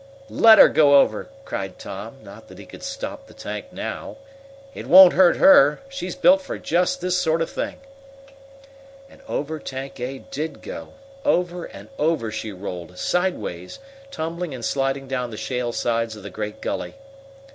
"Let her go over!" cried Tom, not that he could stop the tank now. "It won't hurt her. She's built for just this sort of thing!" And over Tank A did go. Over and over she rolled, sidewise, tumbling and sliding down the shale sides of the great gully.